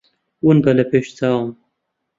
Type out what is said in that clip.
ون بە لە پێش چاوم.